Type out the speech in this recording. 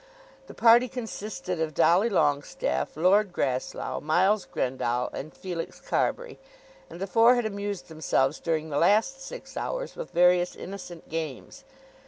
The party consisted of Dolly Longestaffe, Lord Grasslough, Miles Grendall, and Felix Carbury, and the four had amused themselves during the last six hours with various innocent games.